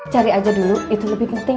cari aja dulu itu lebih penting